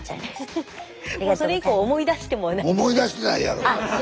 それ以降思い出してもない。